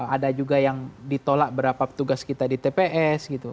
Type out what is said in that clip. ada juga yang ditolak berapa petugas kita di tps gitu